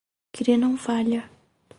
Kri não falha.